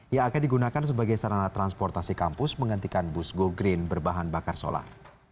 yang akan digunakan sebagai sarana transportasi kampus menghentikan bus go green berbahan bakar solar